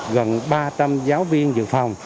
gần ba trăm linh giáo viên dự phòng